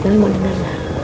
kalian mau dengar gak